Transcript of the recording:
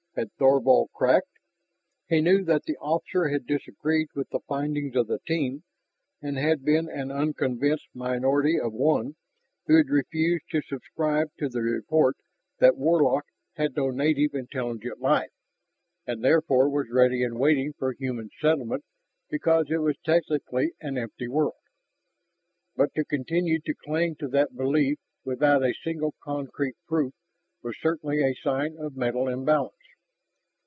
Had Thorvald cracked? He knew that the officer had disagreed with the findings of the team and had been an unconvinced minority of one who had refused to subscribe to the report that Warlock had no native intelligent life and therefore was ready and waiting for human settlement because it was technically an empty world. But to continue to cling to that belief without a single concrete proof was certainly a sign of mental imbalance.